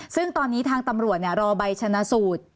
ซึ่งตอนนี้ทางตำรวจรอใบชนะสูตร